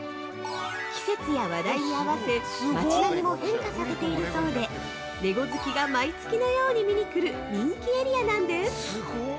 季節や話題に合わせ、町並みも変化させているそうでレゴ好きが毎月のように見に来る人気エリアなんです。